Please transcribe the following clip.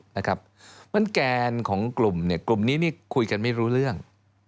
มันแกนของกลุ่มกลุ่มนี้คุยกันไม่รู้เรื่อง